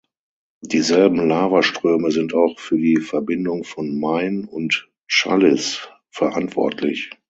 Dieselben Lavaströme sind auch für die Verbindung von "Main" und "Challis" verantwortlich.